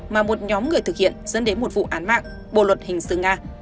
mà một nhóm người thực hiện dẫn đến một vụ án mạng bộ luật hình sự nga